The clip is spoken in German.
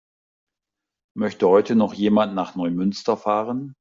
Möchte heute noch jemand nach Neumünster fahren?